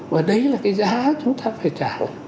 và đấy là cái giá chúng ta phải trả